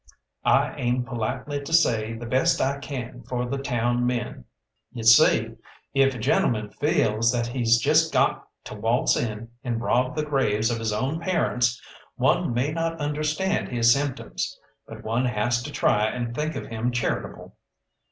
I aim politely to say the best I can for the town men. You see, if a gentleman feels that he's just got to waltz in and rob the graves of his own parents, one may not understand his symptoms, but one has to try and think of him charitable.